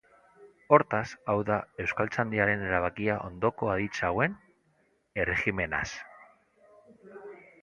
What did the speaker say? Hortaz, hau da Euskaltzaindiaren erabakia ondoko aditz hauen erregimenaz.